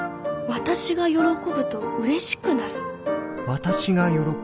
私が喜ぶとうれしくなる？